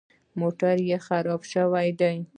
موټر مې خراب شوی دی.